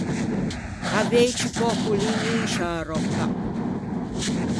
Avei ciù pöco lin in sciâ ròcca.